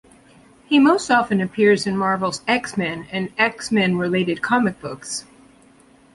He most often appears in Marvel's "X-Men" and X-Men-related comic books.